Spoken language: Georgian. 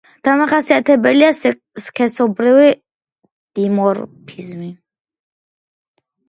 დამახასიათებელია სქესობრივი დიმორფიზმი.